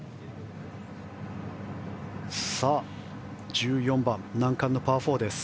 １４番、難関のパー４です。